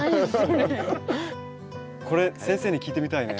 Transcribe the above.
これ先生に聞いてみたいね。